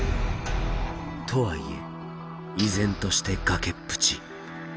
とはいえ依然として崖っぷち。